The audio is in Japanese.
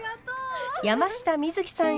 山下美月さん